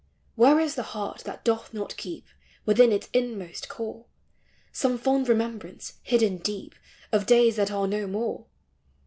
Where is the heart that doth not keep, Within its inmost core, Some fond remembrance, hidden <1< '<■)>, Of days that are no more?